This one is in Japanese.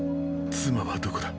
妻はどこだ。